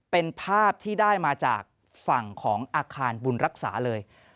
เป็นภาพที่ได้มาจากฝั่งของอาคารบุญรักษาเลย